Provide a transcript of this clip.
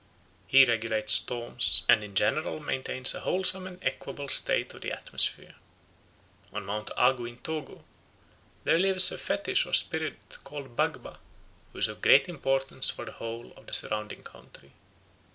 He regulates storms, and in general maintains a wholesome and equable state of the atmosphere. On Mount Agu in Togo there lives a fetish or spirit called Bagba, who is of great importance for the whole of the surrounding country.